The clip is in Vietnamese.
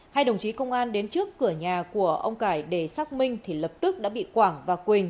hai đồng chí công an đến trước cửa nhà của ông cải để xác minh thì lập tức đã bị quảng và quỳnh